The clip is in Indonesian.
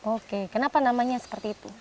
oke kenapa namanya seperti itu